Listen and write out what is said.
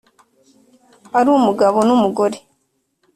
Ari umugabo n umugore